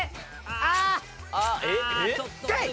あっ！